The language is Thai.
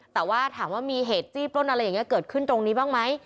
แต่ว่าถามว่ามีเหตุจี้ปล้นอะไรอย่างนี้เกิดขึ้นตรงนี้บ้างไหม